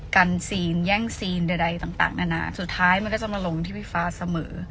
กันซีนแย่งซีนใดต่างนานาสุดท้ายมันก็จะมาลงที่พี่ฟ้าเสมอ